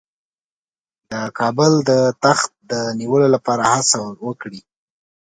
د کابل د تخت د نیولو لپاره هڅه وکړي.